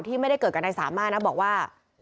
ไม่ได้เกิดกับนายสามารถนะบอกว่า